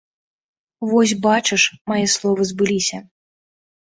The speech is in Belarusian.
Вось бачыш, мае словы збыліся.